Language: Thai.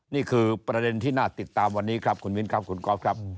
นี่คือประเด็นที่น่าติดตามวันนี้ครับคุณมิ้นครับคุณก๊อฟครับ